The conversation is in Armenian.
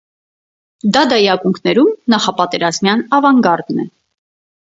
Դադայի ակունքներում նախապատերազմյան ավանգարդն է։